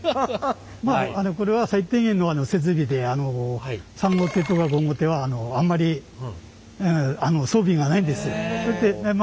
これは最低限の設備で３号艇とか５号艇はあんまり装備がないんですよ。